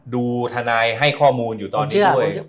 ทนายให้ข้อมูลอยู่ตอนนี้ด้วย